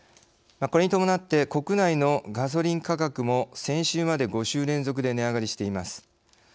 これに伴って国内のガソリン価格も先週まで５週連続で値上がりしています。